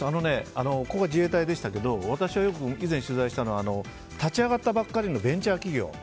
ここは自衛隊でしたけど私は、よく以前取材したのは立ち上がったばかりのベンチャー企業。